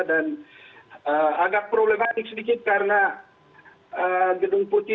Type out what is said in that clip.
dan agak problematik sedikit karena gedung putih